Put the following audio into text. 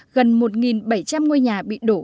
gần một bảy trăm linh ngôi nhà bị đổ